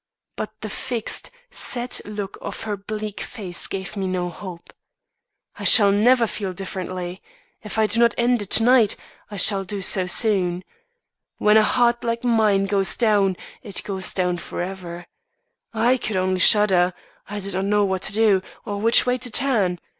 "But the fixed set look of her bleak face gave me no hope. 'I shall never feel differently. If I do not end it to night, I shall do so soon. When a heart like mine goes down, it goes down forever,' I could only shudder. I did not know what to do, or which way to turn.